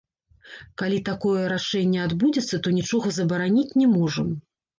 Калі такое рашэнне адбудзецца, то нічога забараніць не можам.